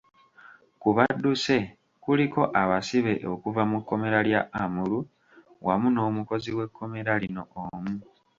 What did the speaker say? Ku badduse kuliko abasibe okuva mu kkomera lya Amuru wamu n’omukozi w’ekkomera lino omu.